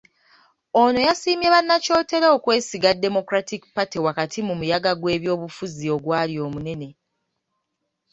Ono yasiimye bannakyotera okwesiga Democratic Party wakati mu muyaga gw’ebyobufuzi ogwali omunene.